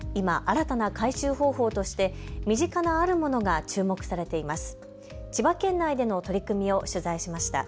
今、新たな回収方法として身近なあるものが注目されています。